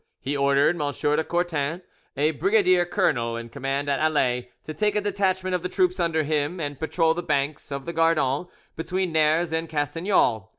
He ordered M. de Courten, a brigadier colonel in command at Alais, to take a detachment of the troops under him and patrol the banks of the Gardon between Ners and Castagnols.